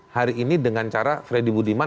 hari ini dengan cara freddy budiman